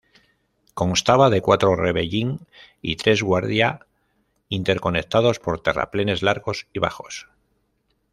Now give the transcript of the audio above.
Constaba de cuatro revellín y tres guardia interconectados por terraplenes largos y bajos.